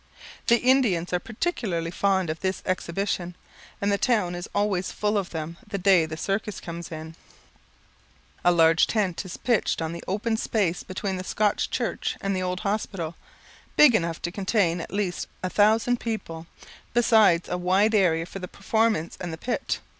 The Indians are particularly fond of this exhibition, and the town is always full of them the day the circus comes in. A large tent is pitched on the open space between the Scotch church and the old hospital, big enough to contain at least a thousand people, besides a wide area for the performance and the pit.